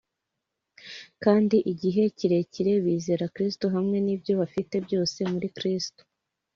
kandi igihe kirekire bizera Kristo (hamwe n'ibyo bafite byose muri Kristo).